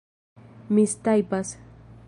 mistajpas